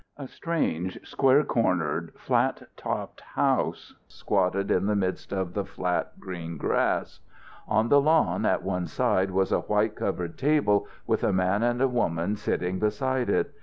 A strange, square cornered, flat topped house squatted in the midst of the flat green grass. On the lawn at one side was a white covered table, with a man and a woman sitting beside it.